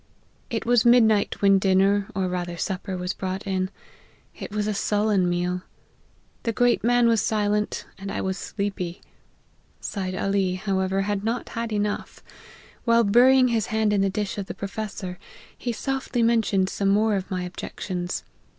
" It was midnight when dinner, or rather supper, was brought in : it was a sullen meal. The great man was silent, and I was sleepy. Seid Ali, how ever, had not had enough. While burying hia hand in the dish of the professor, he softly men tioned some more of my objections.